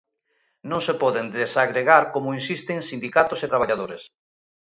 Non se poden desagregar, como insisten sindicatos e traballadores.